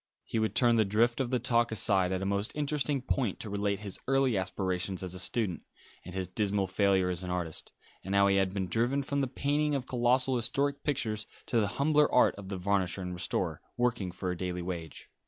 He would turn the drift of the talk aside at a most interesting point to relate his early aspirations as a student, and his dismal failure as an artist, and how he had been driven from the painting of colossal historical pictures to the humbler art of the varnisher and restorer, working for a daily wage.